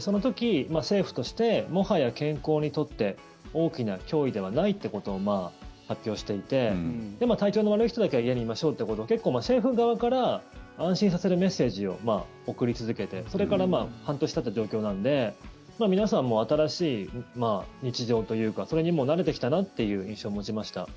その時、政府としてもはや健康にとって大きな脅威ではないってことを発表していて体調の悪い人だけは家にいましょうってことを結構、政府側から安心させるメッセージを送り続けてそれから半年たってる状況なんで皆さんも新しい日常というかそれに慣れてきたなっていう印象を持ちました。